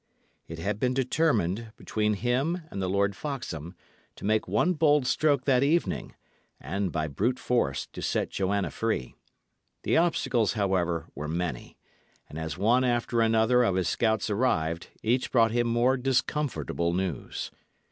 It had been determined, between him and the Lord Foxham, to make one bold stroke that evening, and, by brute force, to set Joanna free. The obstacles, however, were many; and as one after another of his scouts arrived, each brought him more discomfortable news.